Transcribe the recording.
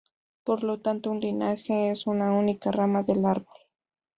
Por lo tanto, un linaje es una única rama del árbol.